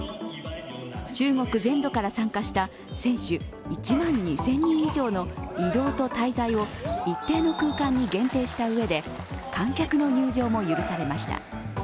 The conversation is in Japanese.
中国全土から参加した選手１万２０００人以上の移動と滞在を一定の空間に限定したうえで観客の入場も許されました。